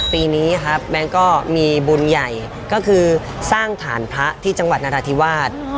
ปีนี้ครับแบงค์ก็มีบุญใหญ่ก็คือสร้างฐานพระที่จังหวัดนราธิวาส